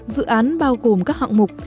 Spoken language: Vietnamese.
dự án bao gồm các hạng mục